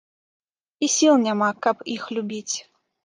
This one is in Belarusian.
І сіл няма, каб іх любіць.